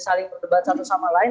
saling berdebat satu sama lain